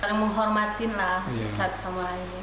saling menghormatinlah satu sama lain